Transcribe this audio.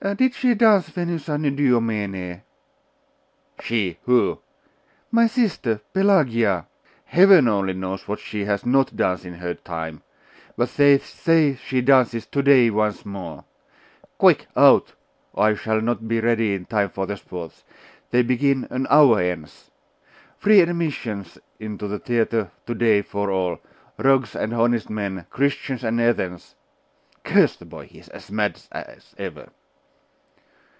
'Did she dance Venus Anadyomene?' 'She! Who?' 'My sister! Pelagia!' 'Heaven only knows what she has not danced in her time! But they say she dances to day once more. Quick! out, or I shall not be ready in time for the sports. They begin an hour hence. Free admission into the theatre to day for all rogues and honest men, Christians and heathens Curse the boy! he's as mad as ever.